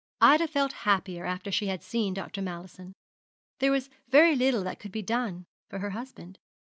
Ida felt happier after she had seen Dr. Mallison. There was very little that could be done for her husband.